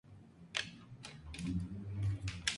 La versión más completa es la Eddie Bauer.